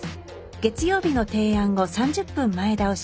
月曜日の提案を３０分前倒し。